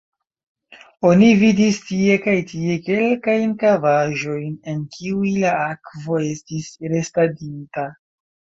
Oni vidis tie kaj tie kelkajn kavaĵojn, en kiuj la akvo estis restadinta.